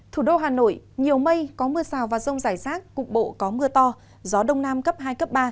thủ đô hà nội nhiều mây có mưa rào và rông rải rác cục bộ có mưa to gió đông nam cấp hai cấp ba